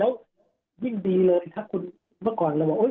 แล้วยิ่งดีเลยถ้าคุณเมื่อก่อนเราบอก